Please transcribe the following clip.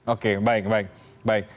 oke baik baik